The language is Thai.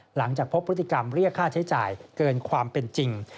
หลังจากพบพฤติกรรมเรียกค่าใช้จ่ายเกินความเป็นจริง